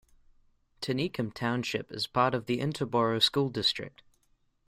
Tinicum Township is part of the Interboro School District.